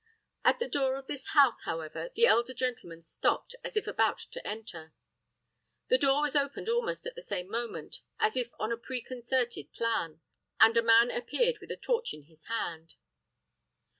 At the door of this house, however, the elder gentleman stopped, as if about to enter. The door was opened almost at the same moment, as if on a preconcerted plan, and a man appeared with a torch in his hand.